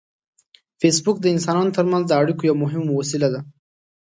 فېسبوک د انسانانو ترمنځ د اړیکو یو مهم وسیله ده